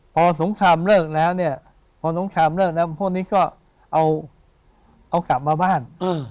พอสงครามเลิกแล้วเนี่ยพวกนี้ก็เอากลับมาบ้าน